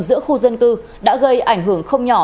giữa khu dân cư đã gây ảnh hưởng không nhỏ